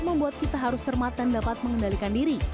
membuat kita harus cermat dan dapat mengendalikan diri